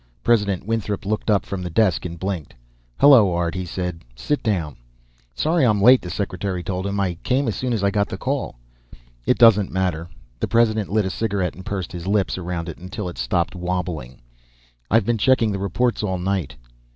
President Winthrop looked up from the desk and blinked. "Hello, Art," he said. "Sit down." "Sorry I'm late," the Secretary told him. "I came as soon as I got the call." "It doesn't matter." The President lit a cigarette and pursed his lips around it until it stopped wobbling. "I've been checking the reports all night."